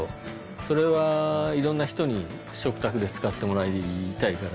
それはいろんな人に食卓で使ってもらいたいから。